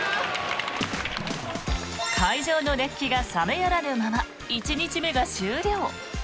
会場の熱気が冷めやらぬまま１日目が終了。